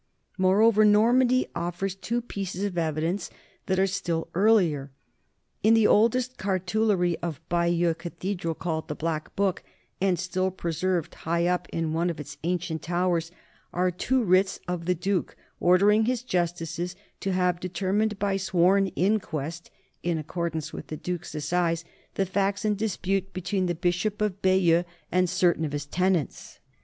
More over, Normandy offers two pieces of evidence that are still earlier. In the oldest cartulary of Bayeux cathe dral, called the Black Book and still preserved high up in one of its ancient towers, are two writs of the duke ordering his justices to have determined by sworn in quest, in accordance with the duke's assize, the facts in dispute between the bishop of Bayeux and certain of his tenants.